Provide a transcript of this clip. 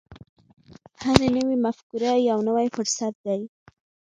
هره نوې مفکوره یو نوی فرصت دی.